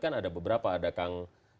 kan ada beberapa ada kang jawa barat